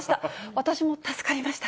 私も助かりました。